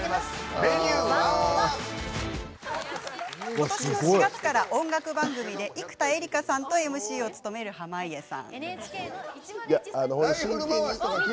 今年の４月から音楽番組で生田絵梨花さんとＭＣを務める濱家さん。